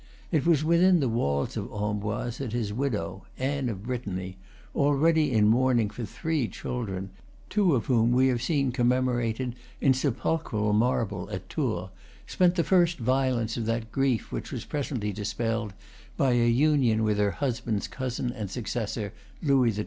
It was within the walls of Amboise that his widow, Anne of Brittany, already in mourning for three children, two of whom we have seen commemorated in sepulchral marble at Tours, spent the first violence of that grief which was presently dispelled by a union with her husband's cousin and successor, Louis XII.